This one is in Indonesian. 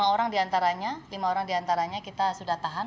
lima orang di antaranya lima orang di antaranya kita sudah tahan